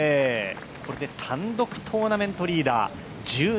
これで単独トーナメントリーダー。